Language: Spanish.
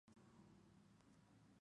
Su píleo es de color pardo oscuro.